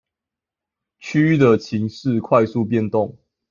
區域的情勢快速變動